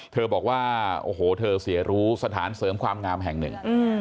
เธอบอกว่าโอ้โหเธอเสียรู้สถานเสริมความงามแห่งหนึ่ง